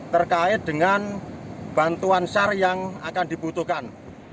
terkait dengan bantuan sar yang akan dibutuhkan